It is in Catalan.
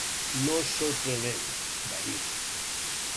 "No és sorprenent," va dir.